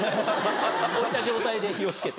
置いた状態で火を付けて。